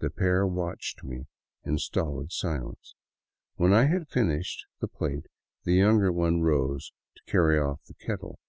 The pair watched me in stolid silence. When I had filled the plate the younger one rose to carry off the kettle.